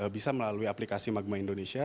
bisa melalui aplikasi magma indonesia